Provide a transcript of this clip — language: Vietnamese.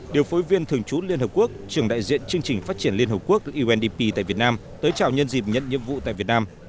điều phối viên thường trú liên hợp quốc trưởng đại diện chương trình phát triển liên hợp quốc undp tại việt nam tới chào nhân dịp nhận nhiệm vụ tại việt nam